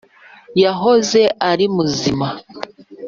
yahoze ari muzima.